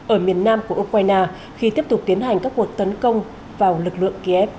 ở miền nam của ukraine khi tiếp tục tiến hành các cuộc tấn công vào lực lượng kiev